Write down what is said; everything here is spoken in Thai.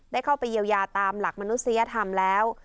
ได้เข้าไปเยียวยาตามหลักมนุษยธรรมแล้ว